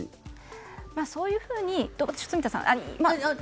そういうふうに、住田さん。